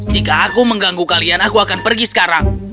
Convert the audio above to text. jika aku mengganggu kalian aku akan pergi sekarang